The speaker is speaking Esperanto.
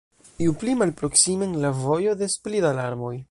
Ju pli malproksimen la vojo, des pli da larmoj.